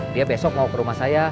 dia besok mau ke rumah saya